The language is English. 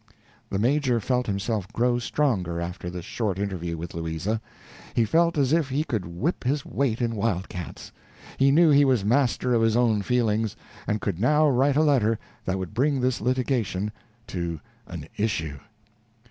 The Major felt himself grow stronger after this short interview with Louisa. He felt as if he could whip his weight in wildcats he knew he was master of his own feelings, and could now write a letter that would bring this litigation to _an issue.